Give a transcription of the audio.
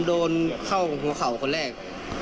โดนเข้าหัวเข่าคนแรก